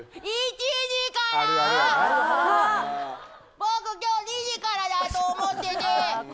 僕、きょう２時からだと思ってて。